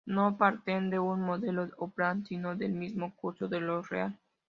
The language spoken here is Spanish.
No parten de un Modelo o Plan, sino del mismo curso de lo real.